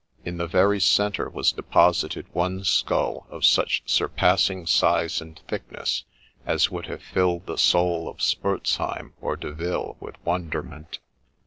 In the very centre was deposited one skull of such surpassing size and thickness as would have filled the soul of a Spurzheim or De Ville with wonderment.